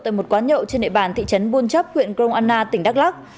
tại một quán nhậu trên địa bàn thị trấn buôn chấp huyện grong anna tỉnh đắk lắc